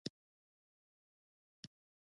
د خاورو دوړې په فراه کې دي